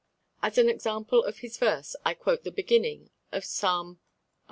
As an example of his verse I quote the beginning of Psalm cxli.